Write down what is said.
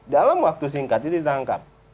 dalam waktu singkat itu ditangkap